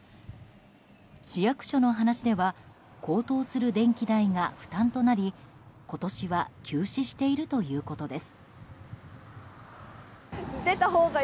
市役所の話では高騰する電気代が負担となり今年は休止しているということです。